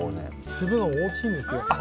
粒が大きいんですよ。